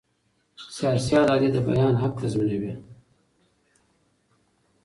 سیاسي ازادي د بیان حق تضمینوي